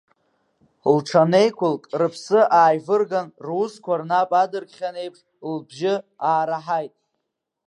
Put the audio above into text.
Лҽанеиқәылк, рыԥсы ааивырган, русқәа рнап адыркхьан еиԥш, лбжьы аараҳаит.